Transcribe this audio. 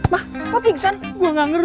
maka jangan jangan abang